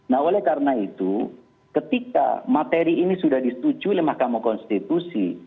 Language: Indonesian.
nah oleh karena itu ketika materi ini sudah disetujui oleh mahkamah konstitusi